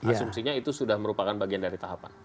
asumsinya itu sudah merupakan bagian dari tahapan